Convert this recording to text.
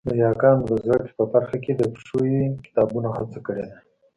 د یاګانو د زده کړې په برخه کې د پښويې کتابونو هڅه کړې ده